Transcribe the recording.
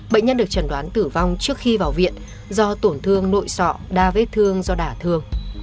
bệnh nhân được chẩn đoán tử vong trước khi vào viện do tổn thương nội sọ đa vết thương do đả thương